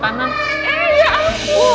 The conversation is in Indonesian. kenapa kasih disana